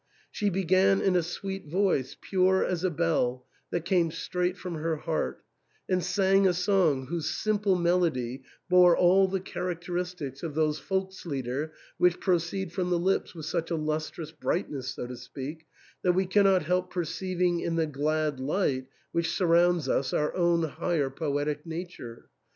She THE ENTAIL. 247 began in a sweet voice, pure as a bell, that came straight from her heart, and sang a song whose simple melody bore all the characteristics of those Volkslieder which proceed from the lips with such a lustrous brightness, so to speak, that we cannot help perceiving in the glad light which surrounds us our own higher poetic nature.